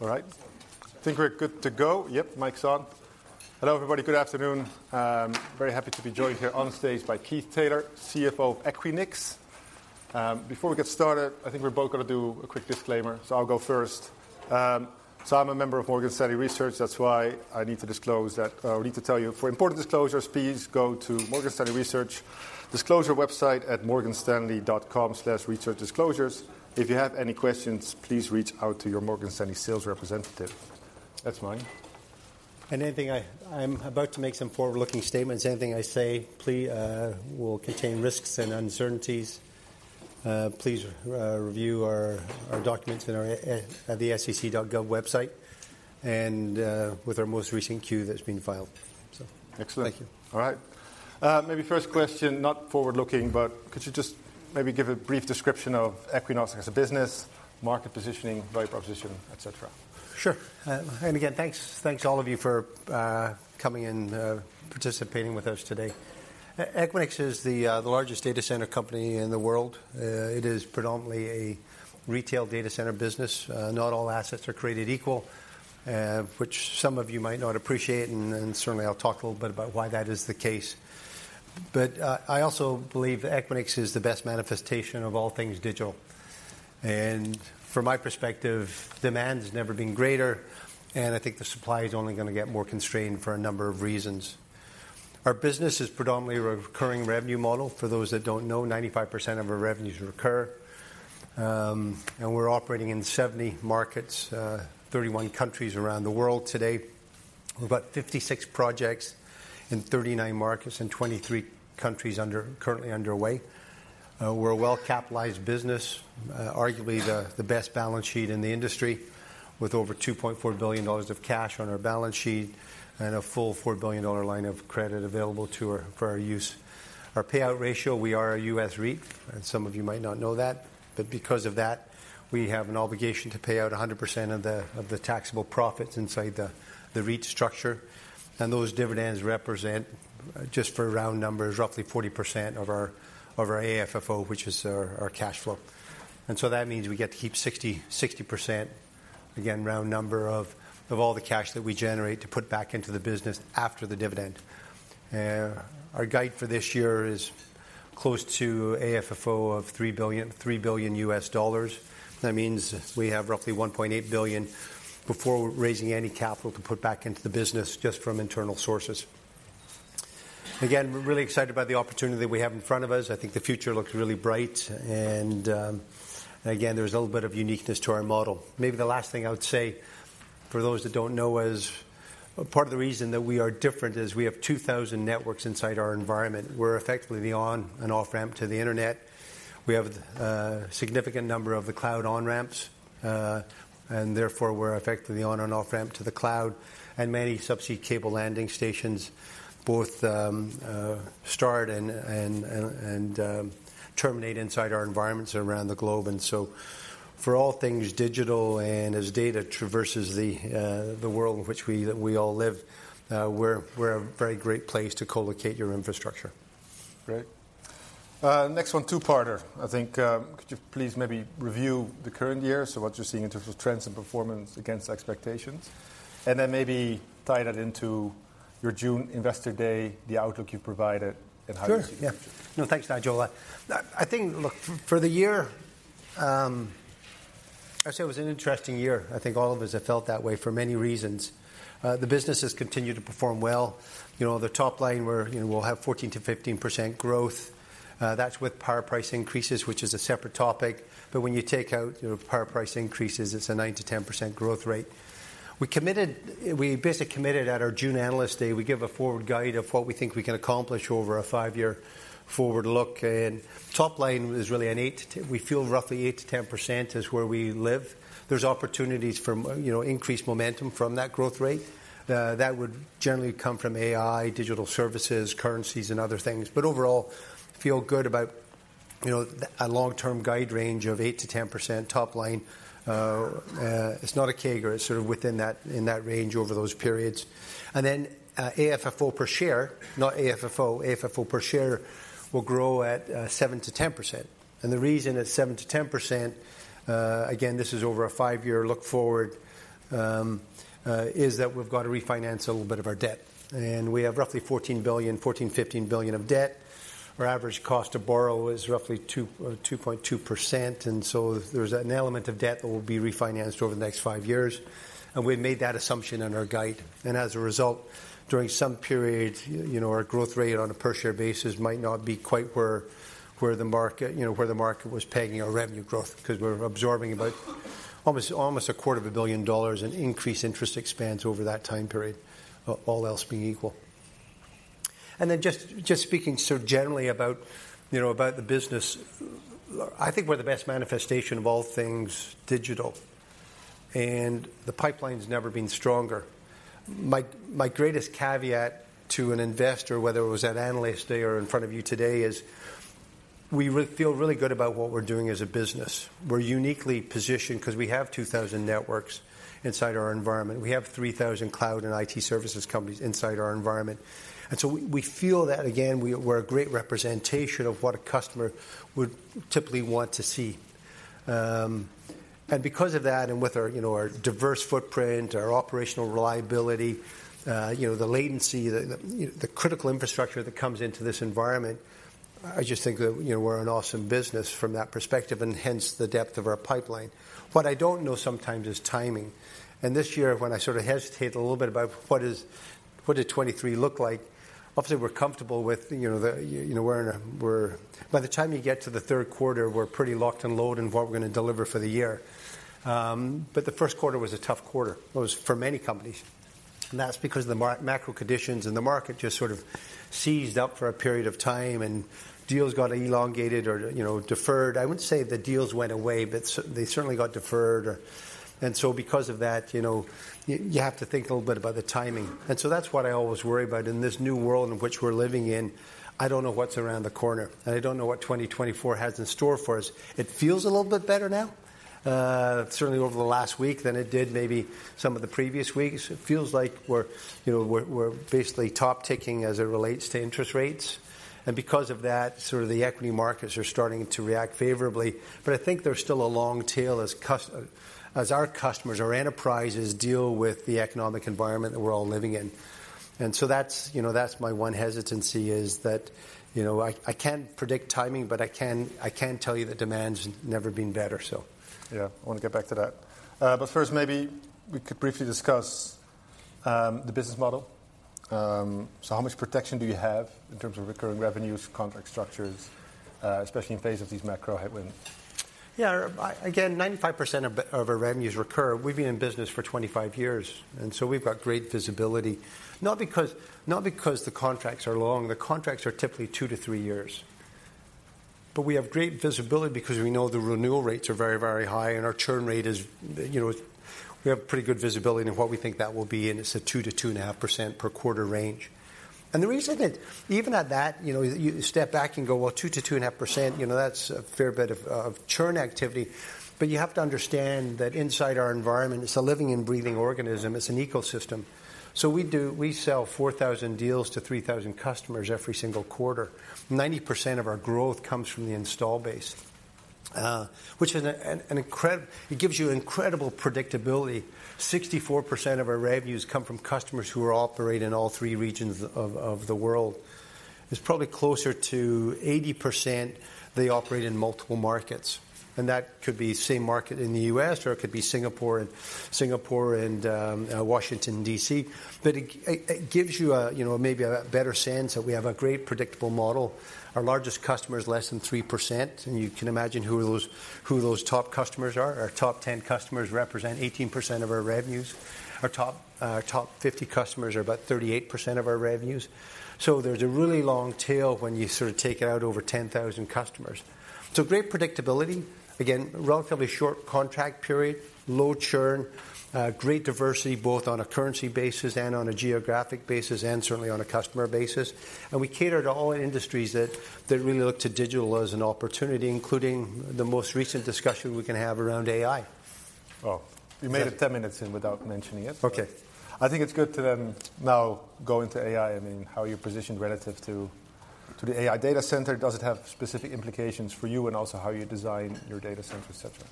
All right. I think we're good to go. Yep, mic's on. Hello, everybody. Good afternoon. Very happy to be joined here on stage by Keith Taylor, CFO of Equinix. Before we get started, I think we're both going to do a quick disclaimer, so I'll go first. So I'm a member of Morgan Stanley Research. That's why I need to disclose that, or I need to tell you. For important disclosures, please go to Morgan Stanley Research Disclosure website at morganstanley.com/researchdisclosures. If you have any questions, please reach out to your Morgan Stanley sales representative. That's mine. I'm about to make some forward-looking statements. Anything I say, please, will contain risks and uncertainties. Please review our documents at the SEC.gov website, and with our most recent Q that's been filed. Excellent. Thank you. All right. Maybe first question, not forward-looking, but could you just maybe give a brief description of Equinix as a business, market positioning, value proposition, et cetera? Sure. And again, thanks to all of you for coming and participating with us today. Equinix is the largest data center company in the world. It is predominantly a retail data center business. Not all assets are created equal, which some of you might not appreciate, and then certainly I'll talk a little bit about why that is the case. But I also believe Equinix is the best manifestation of all things digital, and from my perspective, demand has never been greater, and I think the supply is only gonna get more constrained for a number of reasons. Our business is predominantly a recurring revenue model. For those that don't know, 95% of our revenues recur. And we're operating in 70 markets, 31 countries around the world today. We've got 56 projects in 39 markets and 23 countries currently underway. We're a well-capitalized business, arguably the best balance sheet in the industry, with over $2.4 billion of cash on our balance sheet and a full $4 billion line of credit available for our use. Our payout ratio, we are a U.S. REIT, and some of you might not know that, but because of that, we have an obligation to pay out 100% of the taxable profits inside the REIT structure. Those dividends represent, just for round numbers, roughly 40% of our AFFO, which is our cash flow. And so that means we get to keep 60%, again, round number, of all the cash that we generate to put back into the business after the dividend. Our guide for this year is close to AFFO of $3 billion, $3 billion. That means we have roughly $1.8 billion before raising any capital to put back into the business just from internal sources. Again, we're really excited about the opportunity that we have in front of us. I think the future looks really bright, and, again, there's a little bit of uniqueness to our model. Maybe the last thing I would say, for those that don't know, is part of the reason that we are different is we have 2,000 networks inside our environment. We're effectively the on and off-ramp to the internet. We have significant number of the cloud on-ramps, and therefore we're effectively the on and off-ramp to the cloud, and many subsea cable landing stations, both start and terminate inside our environments around the globe. And so for all things digital and as data traverses the world in which we all live, we're a very great place to colocate your infrastructure. Great. Next one, two-parter. I think, could you please maybe review the current year, so what you're seeing in terms of trends and performance against expectations, and then maybe tie that into your June Investor Day, the outlook you provided, and how you see it? Sure. Yeah. No, thanks, Nigel. I think, look, for the year, I'd say it was an interesting year. I think all of us have felt that way for many reasons. The business has continued to perform well. You know, the top line, we're, you know, we'll have 14%-15% growth. That's with power price increases, which is a separate topic, but when you take out, you know, power price increases, it's a 9%-10% growth rate. We basically committed at our June Analyst Day, we give a forward guide of what we think we can accomplish over a five-year forward look, and top line is really an eight to-- we feel roughly 8%-10% is where we live. There's opportunities from, you know, increased momentum from that growth rate. That would generally come from AI, digital services, currencies, and other things. But overall, feel good about, you know, a long-term guide range of 8%-10% top line. It's not a kicker. It's sort of within that, in that range over those periods. And then, AFFO per share, not AFFO, AFFO per share will grow at 7%-10%. And the reason it's 7%-10%, again, this is over a five-year look forward, is that we've got to refinance a little bit of our debt. And we have roughly $14 billion-$15 billion of debt. Our average cost to borrow is roughly 2.2%, and so there's an element of debt that will be refinanced over the next five years, and we've made that assumption in our guide. As a result, during some periods, you know, our growth rate on a per share basis might not be quite where, where the market, you know, where the market was pegging our revenue growth, because we're absorbing about almost, almost $250 million in increased interest expense over that time period, all else being equal. Then just, just speaking sort of generally about, you know, about the business, I think we're the best manifestation of all things digital, and the pipeline's never been stronger. My, my greatest caveat to an investor, whether it was at Analyst Day or in front of you today, is we feel really good about what we're doing as a business. We're uniquely positioned because we have 2,000 networks inside our environment. We have 3,000 cloud and IT services companies inside our environment. So we feel that, again, we're a great representation of what a customer would typically want to see. And because of that, and with our, you know, our diverse footprint, our operational reliability, you know, the latency, the critical infrastructure that comes into this environment, I just think that, you know, we're an awesome business from that perspective, and hence, the depth of our pipeline. What I don't know sometimes is timing. And this year, when I sort of hesitated a little bit about what 2023 looked like, obviously, we're comfortable with, you know, the, you know, we're in a. By the time you get to the third quarter, we're pretty locked and loaded in what we're gonna deliver for the year. But the first quarter was a tough quarter. It was for many companies, and that's because the macro conditions and the market just sort of seized up for a period of time, and deals got elongated or, you know, deferred. I wouldn't say the deals went away, but they certainly got deferred. And so because of that, you know, you have to think a little bit about the timing. And so that's what I always worry about. In this new world in which we're living in, I don't know what's around the corner, and I don't know what 2024 has in store for us. It feels a little bit better now, certainly over the last week than it did maybe some of the previous weeks. It feels like we're, you know, basically top-ticking as it relates to interest rates. Because of that, sort of the equity markets are starting to react favorably. But I think there's still a long tail as our customers, our enterprises, deal with the economic environment that we're all living in. And so that's, you know, that's my one hesitancy, is that, you know, I can't predict timing, but I can tell you that demand's never been better. So- Yeah, I want to get back to that. But first, maybe we could briefly discuss the business model. How much protection do you have in terms of recurring revenues, contract structures, especially in face of these macro headwinds? Yeah. Again, 95% of our revenues recur. We've been in business for 25 years, and so we've got great visibility. Not because the contracts are long. The contracts are typically two to three years. But we have great visibility because we know the renewal rates are very, very high, and our churn rate is, you know. We have pretty good visibility into what we think that will be, and it's a 2%-2.5% per quarter range. And the reason that even at that, you know, you step back and go, "Well, 2%-2.5%, you know, that's a fair bit of churn activity." But you have to understand that inside our environment, it's a living and breathing organism. It's an ecosystem. So we sell 4,000 deals to 3,000 customers every single quarter. 90% of our growth comes from the install base, which gives you incredible predictability. 64% of our revenues come from customers who are operate in all three regions of the world. It's probably closer to 80%, they operate in multiple markets, and that could be same market in the U.S., or it could be Singapore and Washington, D.C. But it gives you a, you know, maybe a better sense that we have a great predictable model. Our largest customer is less than 3%, and you can imagine who those top customers are. Our top 10 customers represent 18% of our revenues. Our top 50 customers are about 38% of our revenues. So there's a really long tail when you sort of take out over 10,000 customers. So great predictability. Again, relatively short contract period, low churn, great diversity, both on a currency basis and on a geographic basis, and certainly on a customer basis. And we cater to all industries that really look to digital as an opportunity, including the most recent discussion we can have around AI. Oh, you made it 10 minutes in without mentioning it. Okay. I think it's good to then now go into AI. I mean, how you're positioned relative to, to the AI data center. Does it have specific implications for you, and also how you design your data center, et cetera?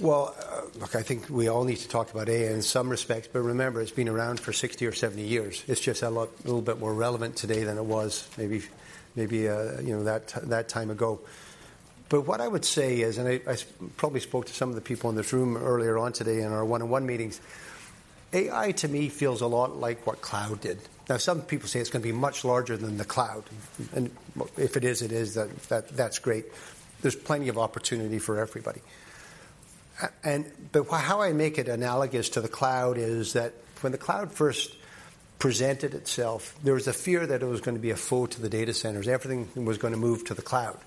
Well, look, I think we all need to talk about AI in some respects, but remember, it's been around for 60 or 70 years. It's just a lot, little bit more relevant today than it was maybe, maybe, you know, that, that, time ago. But what I would say is, and I, I probably spoke to some of the people in this room earlier on today in our one-on-one meetings, AI, to me, feels a lot like what cloud did. Now, some people say it's gonna be much larger than the cloud, and if it is, it is, that, that's great. There's plenty of opportunity for everybody. And but how I make it analogous to the cloud is that when the cloud first presented itself, there was a fear that it was gonna be a foe to the data centers. Everything was gonna move to the cloud.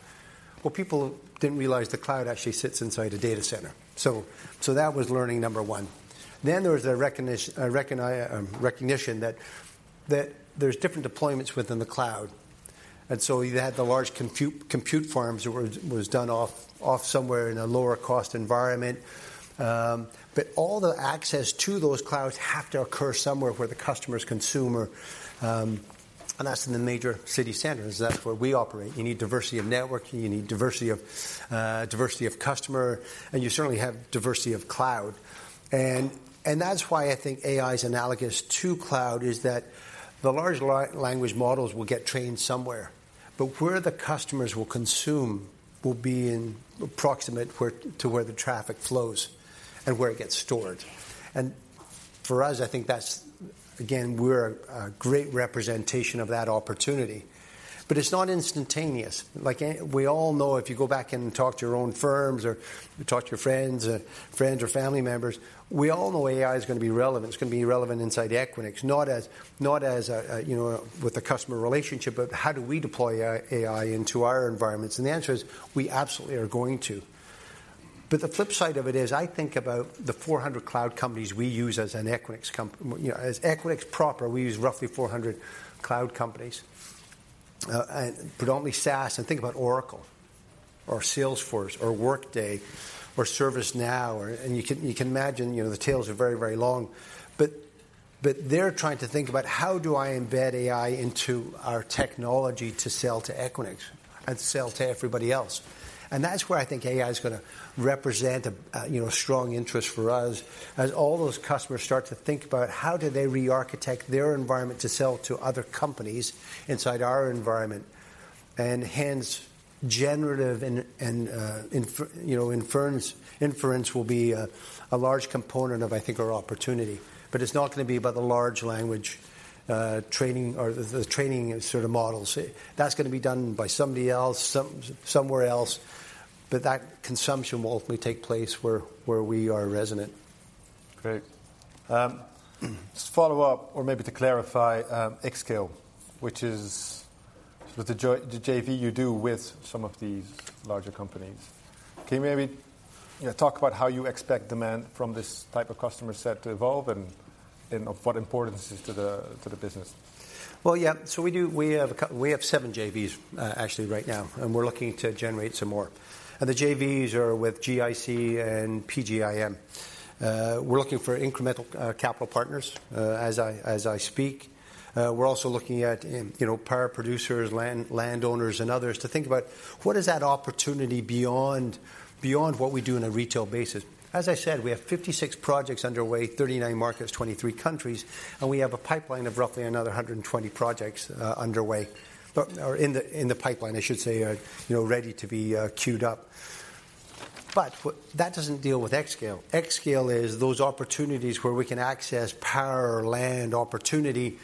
What people didn't realize, the cloud actually sits inside a data center. So that was learning number one. Then there was a recognition that there's different deployments within the cloud. And so you had the large compute farms that were done off somewhere in a lower-cost environment. But all the access to those clouds have to occur somewhere where the customer's consumer, and that's in the major city centers. That's where we operate. You need diversity of networking, you need diversity of, diversity of customer, and you certainly have diversity of cloud. And that's why I think AI is analogous to cloud, is that the large language models will get trained somewhere, but where the customers will consume will be in approximately where to where the traffic flows and where it gets stored. And for us, I think that's, again, we're a great representation of that opportunity. But it's not instantaneous. Like, we all know if you go back and talk to your own firms or you talk to your friends or family members, we all know AI is gonna be relevant. It's gonna be relevant inside Equinix, not as a you know, with a customer relationship, but how do we deploy AI into our environments? And the answer is, we absolutely are going to. But the flip side of it is, I think about the 400 cloud companies we use as an Equinix comp—you know, as Equinix proper, we use roughly 400 cloud companies, and predominantly SaaS. And think about Oracle or Salesforce or Workday or ServiceNow, or—and you can, you can imagine, you know, the tails are very, very long. But they're trying to think about: How do I embed AI into our technology to sell to Equinix and sell to everybody else? And that's where I think AI is going to represent a, you know, strong interest for us as all those customers start to think about how do they rearchitect their environment to sell to other companies inside our environment. And hence, generative and inference, you know, inference, inference will be a, a large component of, I think, our opportunity. But it's not going to be about the large language training or the training sort of models. That's going to be done by somebody else, somewhere else, but that consumption will ultimately take place where we are resident. Great. Just to follow up or maybe to clarify, xScale, which is the JV you do with some of these larger companies. Can you maybe, you know, talk about how you expect demand from this type of customer set to evolve and of what importance it is to the business? Well, yeah. So we do—we have seven JVs, actually right now, and we're looking to generate some more. And the JVs are with GIC and PGIM. We're looking for incremental capital partners, as I speak. We're also looking at, you know, power producers, land landowners, and others to think about: What is that opportunity beyond, beyond what we do on a retail basis? As I said, we have 56 projects underway, 39 markets, 23 countries, and we have a pipeline of roughly another 120 projects underway. But or in the pipeline, I should say, you know, ready to be queued up. But that doesn't deal with xScale. xScale is those opportunities where we can access power, land, opportunity,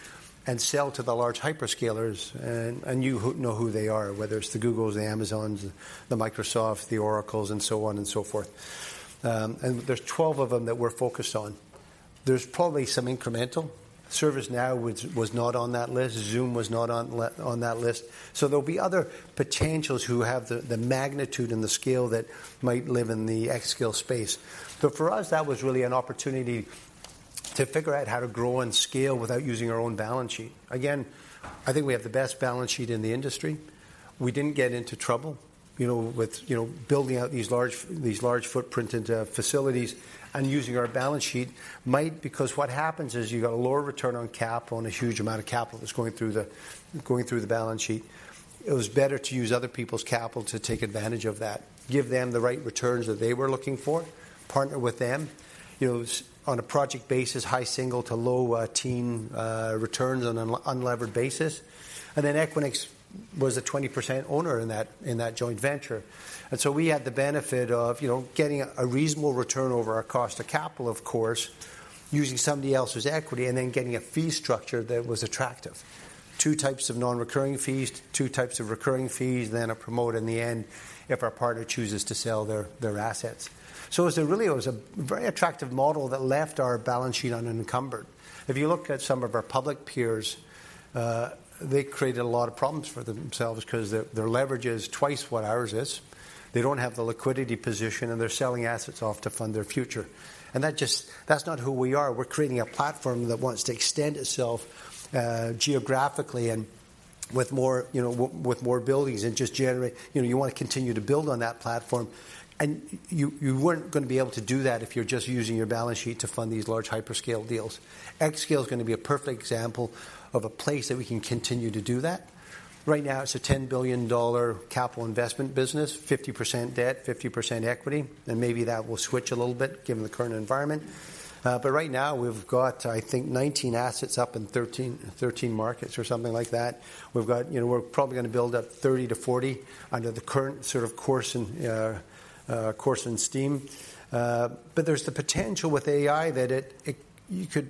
and sell to the large hyperscalers. You know who they are, whether it's the Googles, the Amazons, the Microsoft, the Oracles, and so on and so forth. And there's 12 of them that we're focused on. There's probably some incremental. ServiceNow, which was not on that list. Zoom was not on that list. So there'll be other potentials who have the magnitude and the scale that might live in the xScale space. So for us, that was really an opportunity to figure out how to grow and scale without using our own balance sheet. Again, I think we have the best balance sheet in the industry. We didn't get into trouble, you know, with building out these large footprint facilities and using our balance sheet. Because what happens is you've got a lower return on capital, and a huge amount of capital is going through the balance sheet. It was better to use other people's capital to take advantage of that, give them the right returns that they were looking for, partner with them, you know, on a project basis, high single to low teen returns on an unlevered basis. And then Equinix was a 20% owner in that joint venture. And so we had the benefit of, you know, getting a reasonable return over our cost of capital, of course, using somebody else's equity, and then getting a fee structure that was attractive. Two types of non-recurring fees, two types of recurring fees, then a promote in the end if our partner chooses to sell their assets. So it was a really, it was a very attractive model that left our balance sheet unencumbered. If you look at some of our public peers, they created a lot of problems for themselves because their leverage is twice what ours is. They don't have the liquidity position, and they're selling assets off to fund their future. And that just. That's not who we are. We're creating a platform that wants to extend itself geographically and with more, you know, with more buildings and just generate. You know, you want to continue to build on that platform, and you weren't going to be able to do that if you're just using your balance sheet to fund these large hyperscale deals. xScale is going to be a perfect example of a place that we can continue to do that. Right now, it's a $10 billion capital investment business, 50% debt, 50% equity, and maybe that will switch a little bit given the current environment. But right now we've got, I think, 19 assets up in 13 markets or something like that. We've got... You know, we're probably going to build up 30-40 under the current sort of course in steam. But there's the potential with AI that it, you could—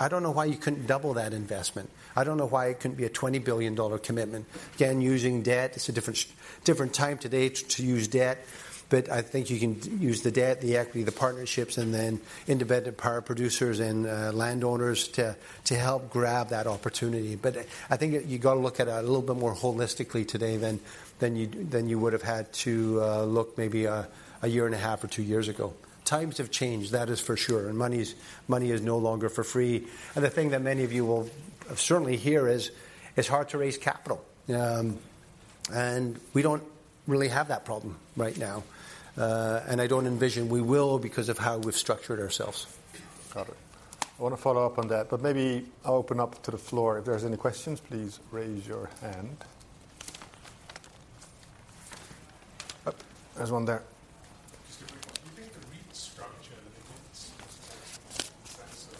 I don't know why you couldn't double that investment. I don't know why it couldn't be a $20 billion commitment. Again, using debt, it's a different time today to use debt, but I think you can use the debt, the equity, the partnerships, and then independent power producers and landowners to help grab that opportunity. But I think you got to look at it a little bit more holistically today than you would have had to look maybe a year and a half or two years ago. Times have changed, that is for sure, and money is no longer for free. And the thing that many of you will certainly hear is, it's hard to raise capital. And we don't really have that problem right now, and I don't envision we will because of how we've structured ourselves. Got it. I want to follow up on that, but maybe I'll open up to the floor. If there's any questions, please raise your hand. There's one there. Just a quick one. Do you think the REIT structure limits?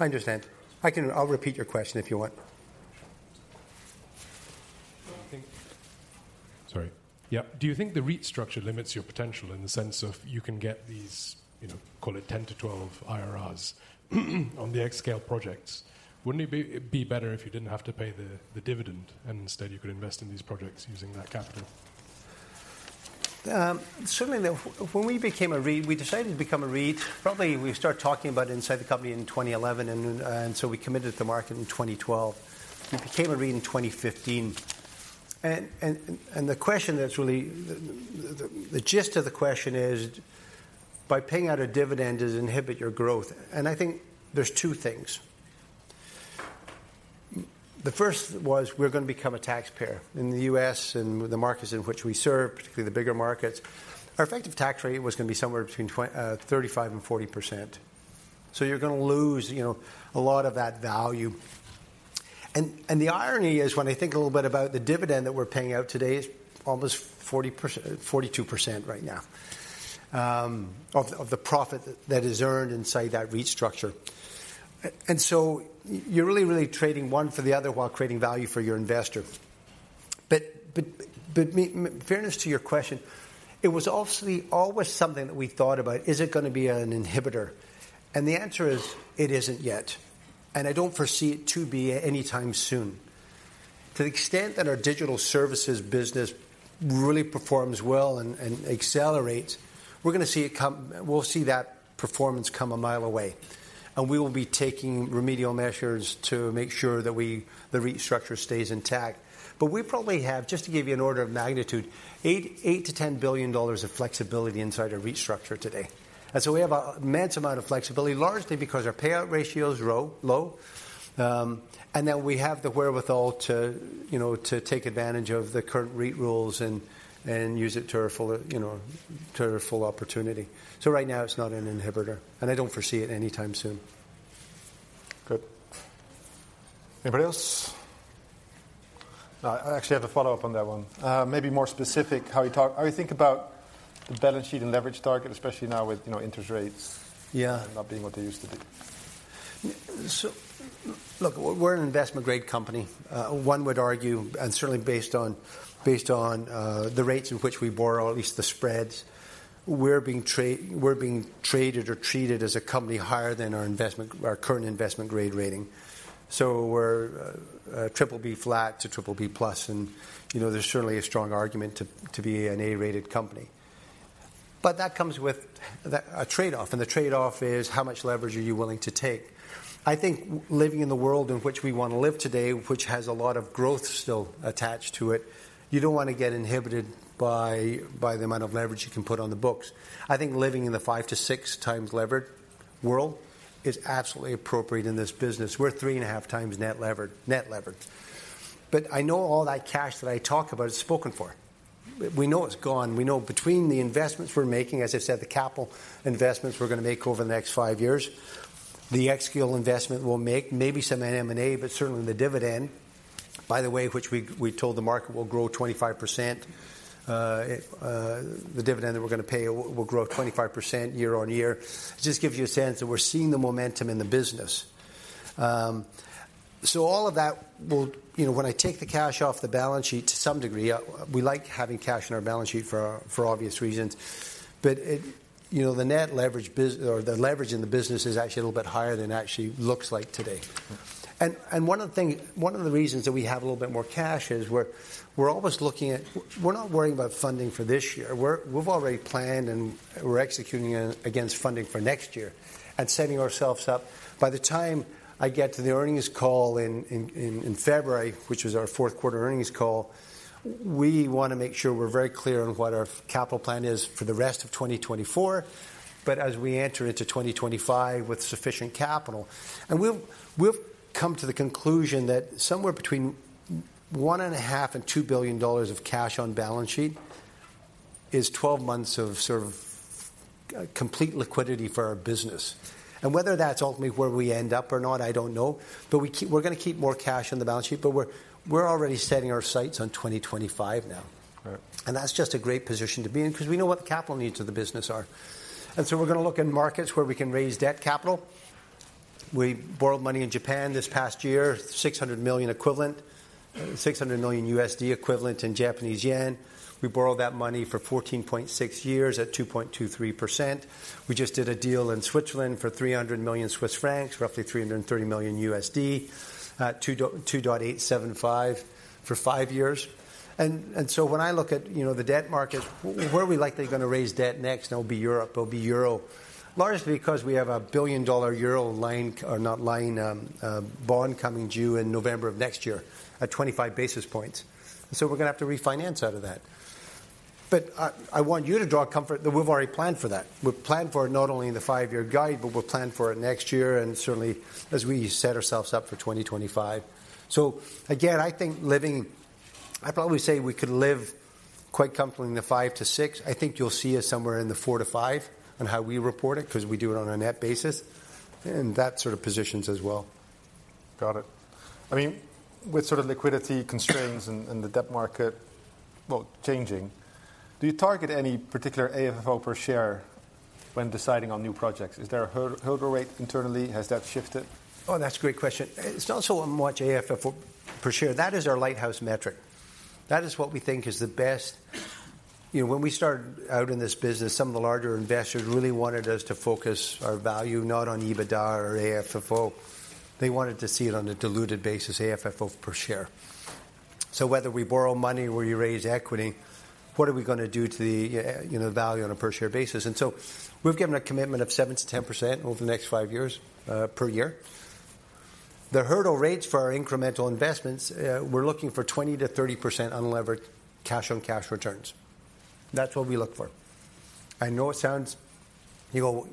I understand. I'll repeat your question if you want. Yeah. Do you think the REIT structure limits your potential in the sense of you can get these, you know, call it 10-12 IRRs on the xScale projects? Wouldn't it be better if you didn't have to pay the dividend, and instead you could invest in these projects using that capital? Certainly, when we became a REIT, we decided to become a REIT, probably we started talking about it inside the company in 2011, and so we committed to the market in 2012. We became a REIT in 2015. And the question that's really the gist of the question is, by paying out a dividend, does it inhibit your growth? And I think there's two things. The first was we're going to become a taxpayer. In the U.S., and the markets in which we serve, particularly the bigger markets, our effective tax rate was going to be somewhere between 35%-40%. So you're going to lose, you know, a lot of that value. The irony is, when I think a little bit about the dividend that we're paying out today, is almost 42% right now, of the profit that is earned inside that REIT structure. And so you're really, really trading one for the other while creating value for your investor. But, to be fair to your question, it was obviously always something that we thought about. Is it going to be an inhibitor? And the answer is, it isn't yet, and I don't foresee it to be anytime soon. To the extent that our digital services business really performs well and accelerates, we're going to see it come. We'll see that performance come a mile away, and we will be taking remedial measures to make sure that the REIT structure stays intact. But we probably have, just to give you an order of magnitude, $8 billion-$10 billion of flexibility inside our REIT structure today. And so we have an immense amount of flexibility, largely because our payout ratio is low, and then we have the wherewithal to, you know, to take advantage of the current REIT rules and, and use it to our full, you know, to our full opportunity. So right now, it's not an inhibitor, and I don't foresee it anytime soon. Good. Anybody else? I actually have a follow-up on that one. Maybe more specific, how you think about the balance sheet and leverage target, especially now with, you know, interest rates. Yeah. Being what they used to be. So look, we're an investment-grade company. One would argue, and certainly based on the rates in which we borrow, at least the spreads, we're being traded or treated as a company higher than our current investment-grade rating. So we're triple B flat to triple B plus, and you know, there's certainly a strong argument to be an A-rated company. But that comes with a trade-off, and the trade-off is: How much leverage are you willing to take? I think living in the world in which we want to live today, which has a lot of growth still attached to it, you don't want to get inhibited by the amount of leverage you can put on the books. I think living in the 5-6 times levered world is absolutely appropriate in this business. We're 3.5x net levered, net levered. But I know all that cash that I talk about is spoken for. We know it's gone. We know between the investments we're making, as I said, the capital investments we're going to make over the next five years, the xScale investment we'll make, maybe some M&A, but certainly the dividend, by the way, which we, we told the market will grow 25%. The dividend that we're going to pay will grow 25% year-on-year. It just gives you a sense that we're seeing the momentum in the business. So all of that will... You know, when I take the cash off the balance sheet, to some degree, we like having cash on our balance sheet for, for obvious reasons. But, you know, the net leverage or the leverage in the business is actually a little bit higher than it actually looks like today. And one of the reasons that we have a little bit more cash is we're always looking at - we're not worrying about funding for this year. We've already planned, and we're executing against funding for next year and setting ourselves up. By the time I get to the earnings call in February, which is our fourth quarter earnings call, we want to make sure we're very clear on what our capital plan is for the rest of 2024, but as we enter into 2025 with sufficient capital. And we've come to the conclusion that somewhere between $1.5 billion and $2 billion of cash on balance sheet is 12 months of sort of complete liquidity for our business. And whether that's ultimately where we end up or not, I don't know, but we're going to keep more cash on the balance sheet, but we're already setting our sights on 2025 now. Right. That's just a great position to be in because we know what the capital needs of the business are. So we're going to look in markets where we can raise debt capital. We borrowed money in Japan this past year, $600 million equivalent in Japanese Yen. We borrowed that money for 14.6 years at 2.23%. We just did a deal in Switzerland for 300 million Swiss francs, roughly $330 million, at 2.875% for 5 years. And so when I look at, you know, the debt market, where are we likely going to raise debt next? And it'll be Europe, it'll be Euro. Largely because we have a billion-dollar euro bond coming due in November of next year at 25 basis points. So we're going to have to refinance out of that. But, I want you to draw comfort that we've already planned for that. We've planned for it, not only in the five-year guide, but we've planned for it next year and certainly as we set ourselves up for 2025. So again, I think living—I'd probably say we could live quite comfortably in the five to six. I think you'll see us somewhere in the four to five on how we report it, because we do it on a net basis, and that sort of positions as well. Got it. I mean, with sort of liquidity constraints and the debt market, well, changing, do you target any particular AFFO per share when deciding on new projects? Is there a hurdle rate internally? Has that shifted? Oh, that's a great question. It's also on watch AFFO per share. That is our lighthouse metric. That is what we think is the best... You know, when we started out in this business, some of the larger investors really wanted us to focus our value not on EBITDA or AFFO. They wanted to see it on a diluted basis, AFFO per share. So whether we borrow money or you raise equity, what are we going to do to the, you know, value on a per-share basis? And so we've given a commitment of 7%-10% over the next five years per year. The hurdle rates for our incremental investments, we're looking for 20%-30% unlevered cash-on-cash returns. That's what we look for.... I know it sounds, you go,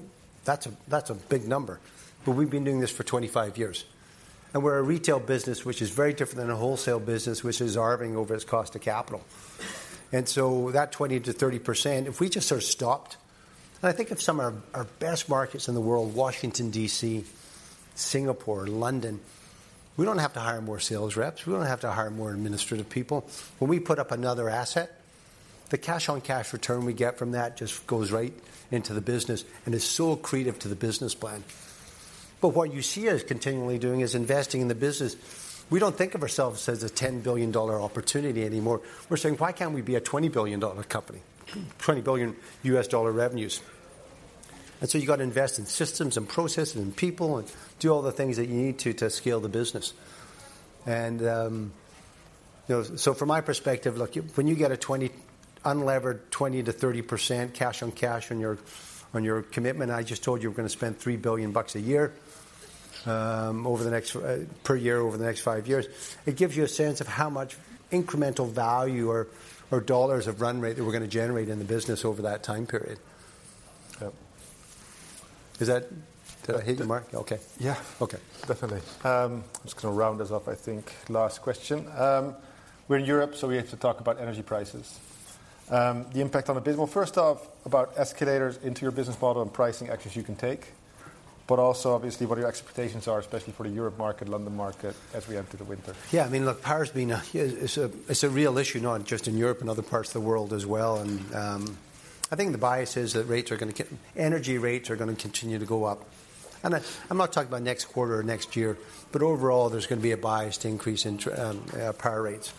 "That's a, that's a big number," but we've been doing this for 25 years. We're a retail business, which is very different than a wholesale business, which is earning over its cost of capital. So that 20%-30%, if we just sort of stopped, and I think of some of our, our best markets in the world, Washington, D.C., Singapore, London, we don't have to hire more sales reps, we don't have to hire more administrative people. When we put up another asset, the cash-on-cash return we get from that just goes right into the business and is so accretive to the business plan. But what you see us continually doing is investing in the business. We don't think of ourselves as a $10 billion opportunity anymore. We're saying: Why can't we be a $20 billion company? $20 billion revenues. You've got to invest in systems and processes and people, and do all the things that you need to, to scale the business. You know, so from my perspective, look, when you get a 20 unlevered 20%-30% cash on cash on your commitment, I just told you we're going to spend $3 billion a year, over the next per year, over the next 5 years. It gives you a sense of how much incremental value or dollars of run rate that we're going to generate in the business over that time period. Is that, did I hit your mark? Okay. Yeah. Okay. Definitely. I'm just going to round us off, I think. Last question. We're in Europe, so we have to talk about energy prices, the impact on the business. Well, first off, about escalators into your business model and pricing actions you can take, but also obviously, what your expectations are, especially for the Europe market, London market, as we enter the winter. Yeah, I mean, look, power's been a—it's a real issue, not just in Europe, in other parts of the world as well. And I think the bias is that energy rates are going to continue to go up. And I'm not talking about next quarter or next year, but overall, there's going to be a bias to increase in power rates.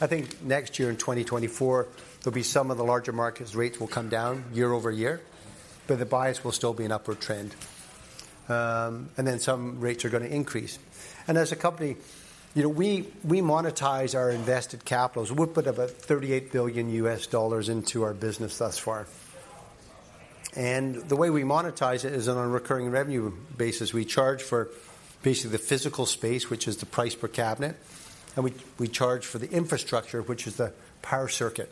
I think next year, in 2024, there'll be some of the larger markets, rates will come down year over year, but the bias will still be an upward trend. And then some rates are going to increase. And as a company, you know, we monetize our invested capitals. We've put about $38 billion into our business thus far. And the way we monetize it is on a recurring revenue basis. We charge for basically the physical space, which is the price per cabinet, and we charge for the infrastructure, which is the power circuit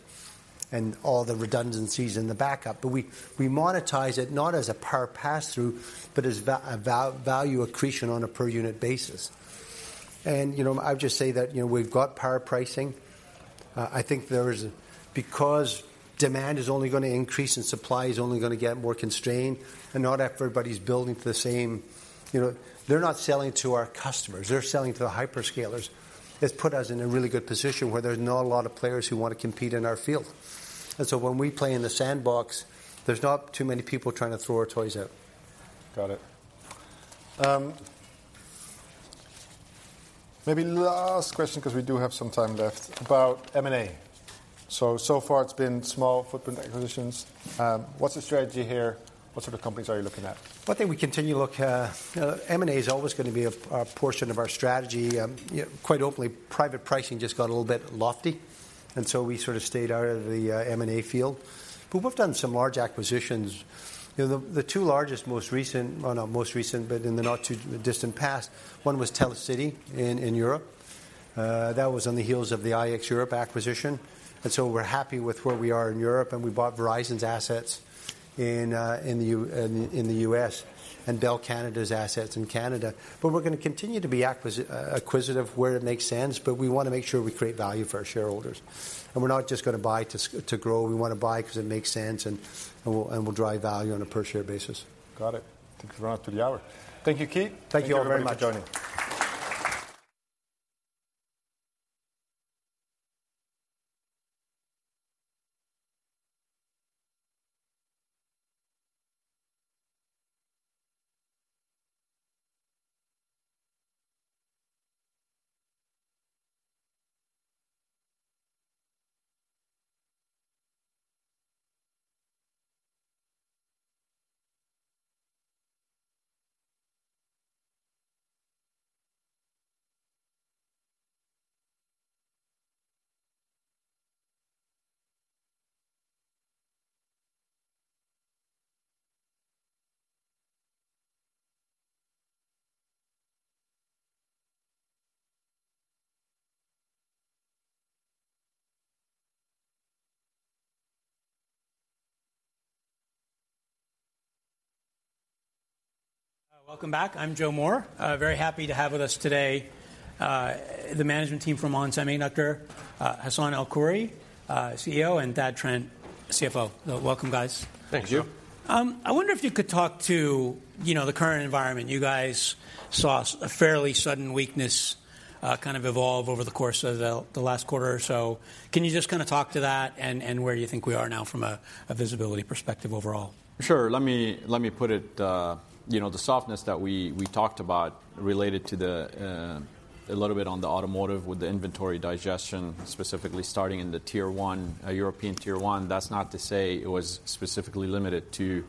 and all the redundancies in the backup. But we monetize it not as a power pass-through, but as value accretion on a per unit basis. And, you know, I would just say that, you know, we've got power pricing. Because demand is only going to increase and supply is only going to get more constrained, and not everybody's building for the same. You know, they're not selling to our customers, they're selling to the hyperscalers. It's put us in a really good position where there's not a lot of players who want to compete in our field. And so when we play in the sandbox, there's not too many people trying to throw our toys out. Got it. Maybe last question, because we do have some time left, about M&A. So far it's been small footprint acquisitions. What's the strategy here? What sort of companies are you looking at? Well, I think we continue to look. M&A is always going to be a portion of our strategy. You know, quite openly, private pricing just got a little bit lofty, and so we sort of stayed out of the M&A field. But we've done some large acquisitions. You know, the two largest, most recent, well, not most recent, but in the not too distant past, one was Telecity in Europe. That was on the heels of the IXEurope acquisition, and so we're happy with where we are in Europe, and we bought Verizon's assets in the U.S., and Bell Canada's assets in Canada. But we're going to continue to be acquisitive where it makes sense, but we want to make sure we create value for our shareholders. And we're not just going to buy to grow, we want to buy because it makes sense and will drive value on a per-share basis. Got it. I think it's round up to the hour. Thank you, Keith. Thank you all very much. Thank you for joining. Welcome back. I'm Joe Moore. Very happy to have with us today, the management team from onsemi, Hassane El-Khoury, CEO, and Thad Trent, CFO. Welcome, guys. Thanks, Joe. I wonder if you could talk to, you know, the current environment. You guys saw a fairly sudden weakness, kind of evolve over the course of the last quarter or so. Can you just kind of talk to that and where you think we are now from a visibility perspective overall? Sure. Let me, let me put it, you know, the softness that we, we talked about related to the, a little bit on the automotive with the inventory digestion, specifically starting in the Tier 1, European Tier 1. That's not to say it was specifically limited to,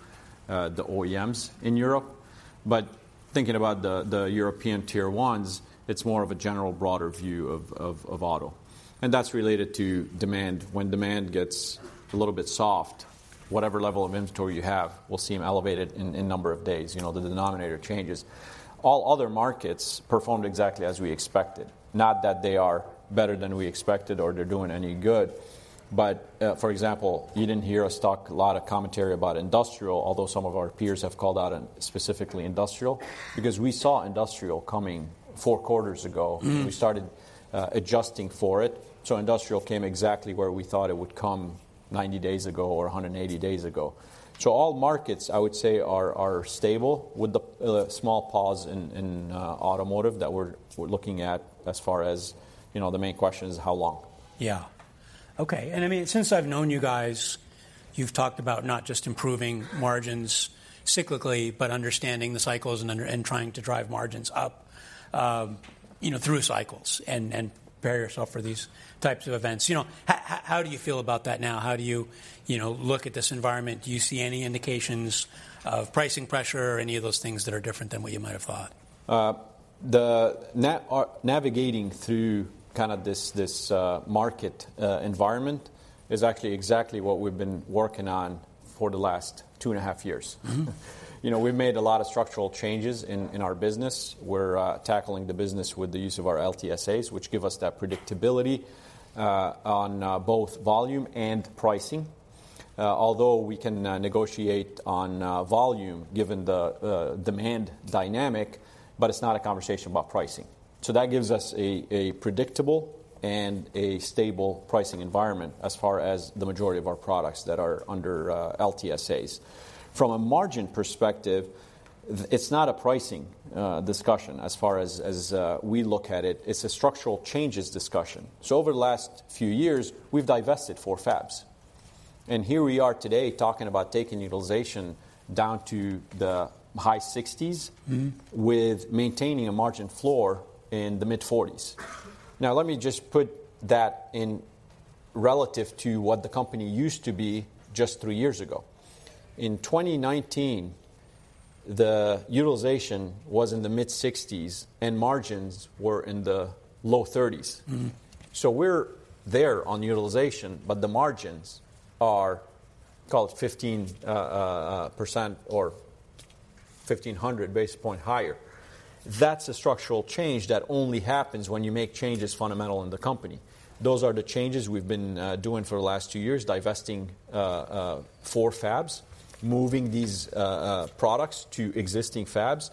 the OEMs in Europe, but thinking about the, the European Tier 1s, it's more of a general broader view of, of, of auto, and that's related to demand. When demand gets a little bit soft, whatever level of inventory you have will seem elevated in, in number of days. You know, the denominator changes. All other markets performed exactly as we expected. Not that they are better than we expected or they're doing any good, but, for example, you didn't hear us talk a lot of commentary about industrial, although some of our peers have called out on specifically industrial, because we saw industrial coming four quarters ago. Mm-hmm. We started adjusting for it, so industrial came exactly where we thought it would come 90 days ago or 180 days ago. So all markets, I would say, are stable, with the small pause in automotive that we're looking at as far as, you know, the main question is how long? Yeah. Okay, and I mean, since I've known you guys, you've talked about not just improving margins cyclically, but understanding the cycles and trying to drive margins up, you know, through cycles and prepare yourself for these types of events. You know, how do you feel about that now? How do you, you know, look at this environment? Do you see any indications of pricing pressure or any of those things that are different than what you might have thought? Navigating through kind of this market environment is actually exactly what we've been working on for the last two and a half years. Mm-hmm. You know, we've made a lot of structural changes in our business. We're tackling the business with the use of our LTSAs, which give us that predictability on both volume and pricing. Although we can negotiate on volume, given the demand dynamic, but it's not a conversation about pricing. So that gives us a predictable and a stable pricing environment as far as the majority of our products that are under LTSAs. From a margin perspective, it's not a pricing discussion as far as we look at it. It's a structural changes discussion. So over the last few years, we've divested four fabs, and here we are today talking about taking utilization down to the high 60s. Mm-hmm. With maintaining a margin floor in the mid-40s. Now, let me just put that in relative to what the company used to be just three years ago. In 2019, the utilization was in the mid-60s, and margins were in the low 30s. Mm-hmm. So we're there on utilization, but the margins are called 15% or 1,500 basis points higher. That's a structural change that only happens when you make changes fundamental in the company. Those are the changes we've been doing for the last two years, divesting four fabs, moving these products to existing fabs.